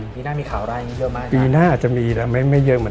ปีหน้ามีข่าวอะไรเยอะมากนะฮะ